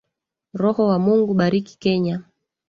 Roho wa Mungu Bariki kenya